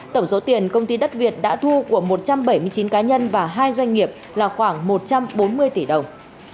tổng số tiền công ty đất việt đã thu của một trăm bảy mươi chín cá nhân và hai doanh nghiệp là khoảng một trăm bốn mươi tỷ đồng